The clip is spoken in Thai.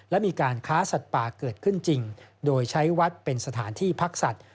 และมีการค้าสัตว์ป่าเกิดขึ้นจริงโดยใช้วัดเป็นสถานที่พักสัตว